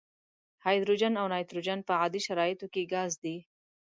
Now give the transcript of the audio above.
هایدروجن او نایتروجن په عادي شرایطو کې ګاز دي.